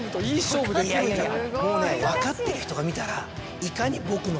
もうね分かってる人が見たらいかに。